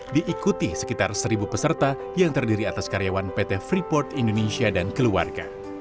diikuti sekitar seribu peserta yang terdiri atas karyawan pt freeport indonesia dan keluarga